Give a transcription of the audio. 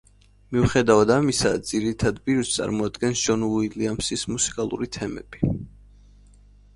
მიუხედავად ამისა, ძირითად ბირთვს წარმოადგენს ჯონ უილიამსის მუსიკალური თემები.